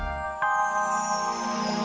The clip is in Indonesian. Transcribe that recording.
nanti kalau manjur kasih tahu saya